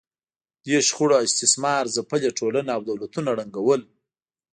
دې شخړو استثمار ځپلې ټولنې او دولتونه ړنګول